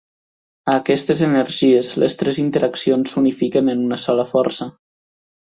A aquestes energies, les tres interaccions s'unifiquen en una sola força.